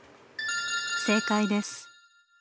正解です。